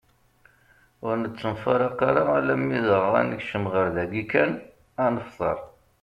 Ur nettemfraq ara alamm dɣa ad nekcem ɣer dagi kan ad nefteṛ.